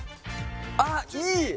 あっいい！